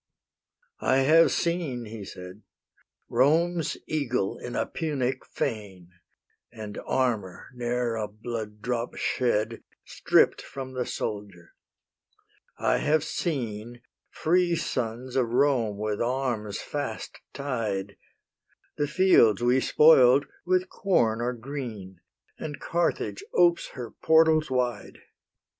"I have seen," he said, "Rome's eagle in a Punic fane, And armour, ne'er a blood drop shed, Stripp'd from the soldier; I have seen Free sons of Rome with arms fast tied; The fields we spoil'd with corn are green, And Carthage opes her portals wide.